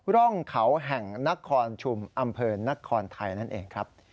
ร่องเขาแห่งนครชุมอำเภอนครไทยนั่นเองครับ